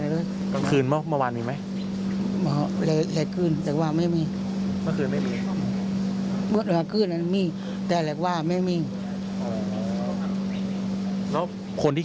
อ๋อเรียกเรียกแล้วเรียกเจอมากอันนี้ถึงกลัวออกไป